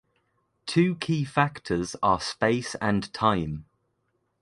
Two key factors are space and time.